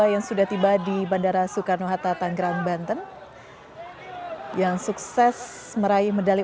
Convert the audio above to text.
yang sudah tiba di bandara soekarno hatta tanggerang banten yang sukses meraih medali